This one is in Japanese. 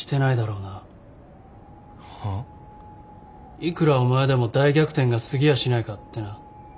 いくらお前でも大逆転が過ぎやしないかってな。